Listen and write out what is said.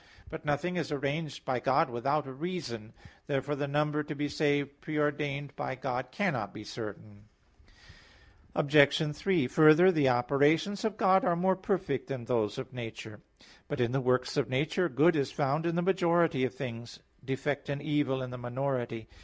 But nothing is arranged by God without a reason. Therefore the number to be saved pre ordained by God cannot be certain. Obj. 3: Further, the operations of God are more perfect than those of nature. But in the works of nature, good is found in the majority of things; defect and evil in the minority.